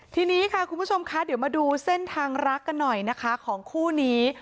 ทีนี้ค่ะคุณผู้ชมคะเดี๋ยวมาดูเส้นทางรักกันหน่อยนะคะของคู่นี้